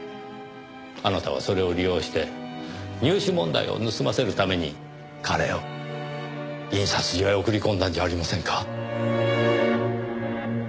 あなたはそれを利用して入試問題を盗ませるために彼を印刷所へ送り込んだんじゃありませんか？